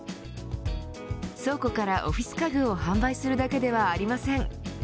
倉庫からオフィス家具を販売するだけではありません。